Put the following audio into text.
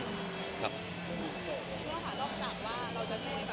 คุณว่าหลอกจากว่าเราจะช่วยแบบผ่านทะเลอะไรอย่างนี้แล้ว